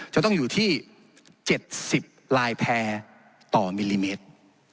จะต้องอยู่ที่๗๐ลายแพร่ต่อมิลลิเมตร